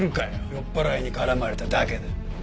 酔っぱらいに絡まれただけだ。